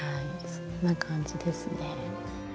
そんな感じですね。